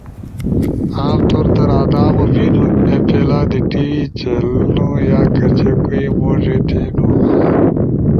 عام طور در آدامو بینو اے پیلا دی ٹی وی چلنو یا کچے کوئی موڙی تھینو۔